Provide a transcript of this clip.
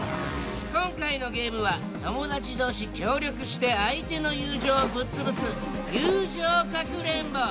今回のゲームは友達同士協力して相手の友情をぶっ潰す友情かくれんぼ。